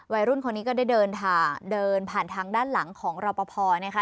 วัยรุ่นคนนี้ก็ได้เดินผ่านทางด้านหลังของรอปภนะคะ